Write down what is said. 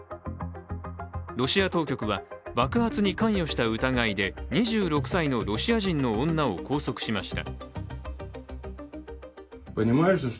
ロシア当局は、爆発に関与した疑いで２６歳のロシア人の女を拘束しました。